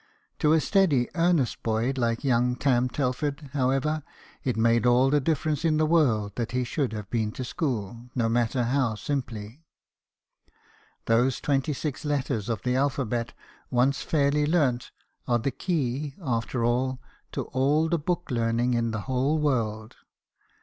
To a steady earnest boy like young Tarn Telford, however, it makes all the difference in the world that he should have been to school, no matter how simply. Those twenty six letters of the alphabet, once fairly learnt, are the key, after all, to all the book learning in the whole world.